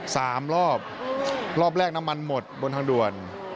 สามรอบรอบแรกน้ำมันหมดบนทางด่วน